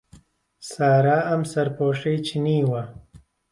سارا ئەم سەرپۆشەی چنیوە.